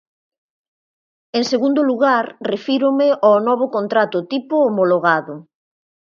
En segundo lugar, refírome ao novo contrato tipo homologado.